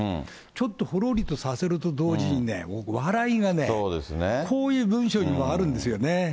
ちょっとほろりとさせると同時にね、僕、笑いがね、こういう文章にもあるんですよね。